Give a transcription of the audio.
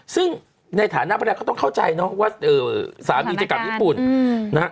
ซึ่งในฐานะภรรยาเขาต้องเข้าใจเนาะว่าสามีจะกลับญี่ปุ่นนะฮะ